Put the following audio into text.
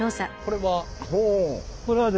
これは？